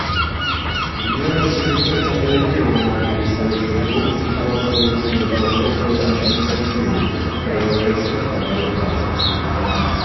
Генеральный секретарь отреагировал на эту вызывающую тревогу ситуацию развертыванием инициативы «Каждая женщина, каждый ребенок».